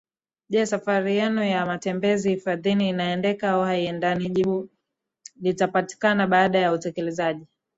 Je safari yenu ya matembezi hifadhini inaendeka au haiendaniJibu litapatikana baada ya utekelezaji